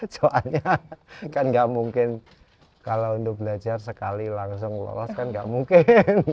soalnya kan nggak mungkin kalau untuk belajar sekali langsung lolos kan nggak mungkin